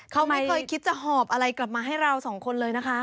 เขาไม่เคยคิดจะหอบอะไรกลับมาให้เราสองคนเลยนะคะ